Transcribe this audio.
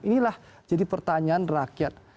inilah jadi pertanyaan rakyat